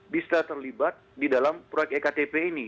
bisa terlibat di dalam proyek ektp ini